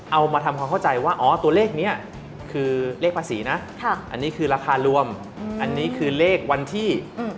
เอามาทำความเข้าใจว่าอ๋อตัวเลขนี้คือเลขภาษีนะอันนี้คือราคารวมอันนี้คือเลขวันที่